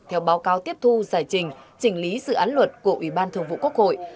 theo báo cáo tiếp thu giải trình chỉnh lý dự án luật của ủy ban thường vụ quốc hội